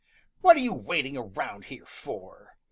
"What are you waiting around here for?"